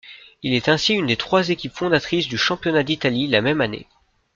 Il est ainsi une des trois équipes fondatrices du Championnat d'Italie la même année.